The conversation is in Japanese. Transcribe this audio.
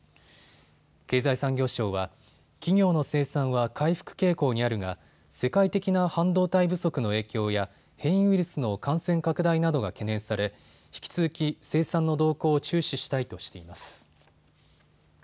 経済産業省は企業の生産は回復傾向にあるが世界的な半導体不足の影響や変異ウイルスの感染拡大などが懸念され引き続き生産の動向を注視したいとしています。